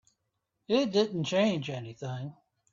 It didn't change anything.